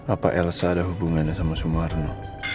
apa elsa ada hubungannya sama sumarno